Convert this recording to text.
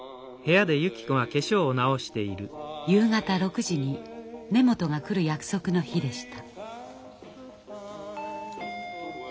夕方６時に根本が来る約束の日でした。